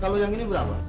kalau yang ini berapa